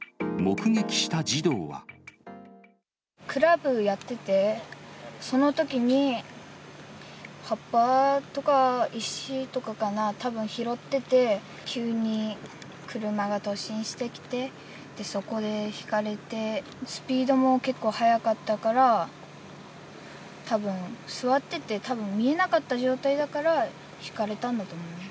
クラブやってて、そのときに葉っぱとか石とかかな、たぶん拾ってて、急に車が突進してきて、そこでひかれて、スピードも結構速かったから、たぶん座ってて、たぶん見えなかった状態だから、ひかれたんだと思う。